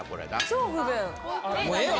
超不便。